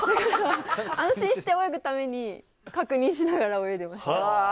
安心して泳ぐために確認しながら泳いでいました。